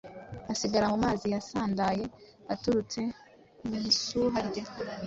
hasigara mu mazi yasandaye aturutse mu isuha rye